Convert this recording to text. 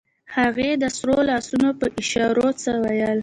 هغې د سرو لاسونو په اشارو څه وويل.